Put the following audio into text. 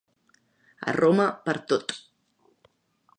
A Roma per tot!